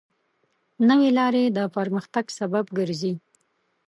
نوې لارې د پرمختګ سبب ګرځي.